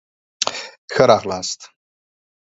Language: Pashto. ښه راغلاست